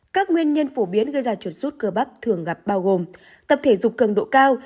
các nguyên nhân phổ biến gây ra chùa sút cơ bắp thường gặp bao gồm tập thể dục cân độ cao